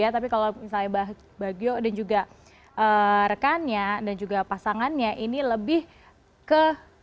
tapi kalau misalnya bagio dan juga rekannya dan juga pasangannya ini lebih ke